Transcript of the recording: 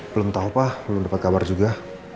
belum tau pak belum dapet kabar juga